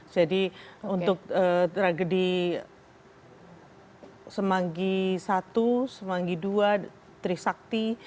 jadi untuk tragedi semanggi i semanggi ii trisakti